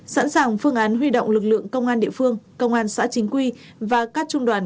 sẵn sàng phương án huy động lực lượng công an địa phương công an xã chính quy và các trung đoàn